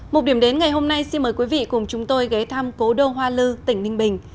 một điểm đến ngày hôm nay xin mời quý vị cùng chúng tôi ghé thăm cố đô hoa lư tỉnh ninh bình